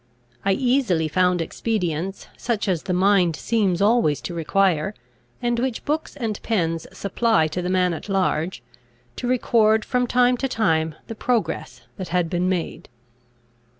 I easily found expedients, such as the mind seems always to require, and which books and pens supply to the man at large, to record from time to time the progress that had been made.